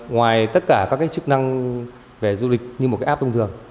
ngoài tất cả các cái chức năng về du lịch như một cái app thông thường